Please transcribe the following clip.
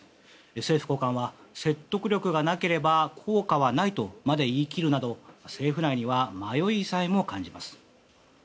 政府高官は、説得力がなければ効果はないとまで言い切るなど政府内には迷いさえも感じます。